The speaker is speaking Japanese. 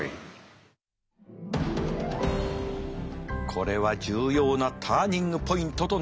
これは重要なターニングポイントとなりました。